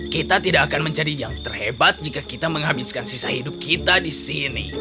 kita tidak akan mencadi yang terhebat jika kita menghabiskan sisa hidup kita disini